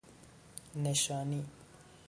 نشانی